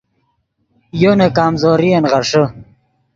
یو نے کمزورین غیݰے